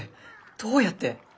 どうやって？